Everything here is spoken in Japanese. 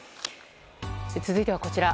続いては、こちら。